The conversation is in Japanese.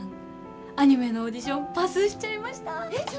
アニメのオーディションパスしちゃいました！